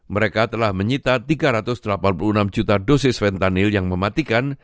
mereka telah menyita tiga ratus delapan puluh enam juta dosis fentanyl yang mematikan